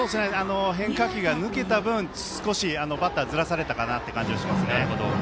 変化球が抜けた分少しバッターずらされたかなという感じはしますね。